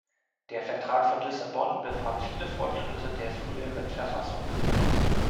Der Vertrag von Lissabon bewahrt viele Fortschritte der früheren Verfassung.